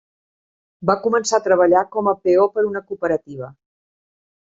Va començar a treballar com a peó per a una cooperativa.